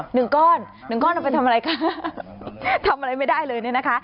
หนึ่งก้อนหนึ่งก้อนเอาไปทำอะไรคะทำอะไรไม่ได้เลยเนี่ยนะคะ